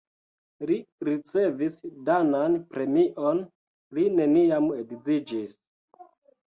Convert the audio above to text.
Li ricevis danan premion, li neniam edziĝis.